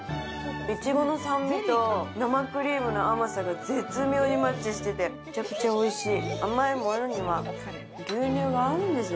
いちごの酸味と生クリームの甘さが絶妙にマッチしててめちゃくちゃおいしい。